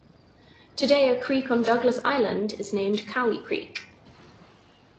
Today, a creek on Douglas Island is named Kowee Creek.